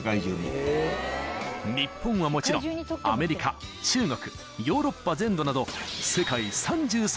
［日本はもちろんアメリカ中国ヨーロッパ全土など］